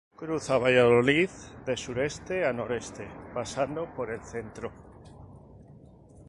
Cruza Valladolid de sudeste a noroeste pasando por el centro.